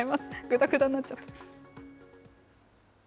ぐだぐだになっちゃった。